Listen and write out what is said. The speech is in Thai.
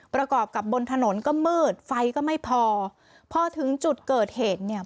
ประกอบกับบนถนนก็มืดไฟก็ไม่พอพอถึงจุดเกิดเหตุเนี่ย